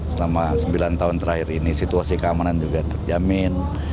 selama sembilan tahun terakhir ini situasi keamanan juga terjamin